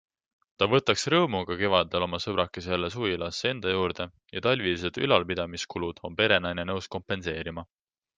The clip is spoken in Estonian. Ta võtaks rõõmuga kevadel oma sõbrakese jälle suvilasse enda juurde ja talvised ülalpidamiskulud on perenaine nõus kompenseerima.